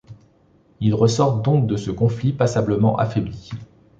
Ils ressortent donc de ce conflit passablement affaiblis.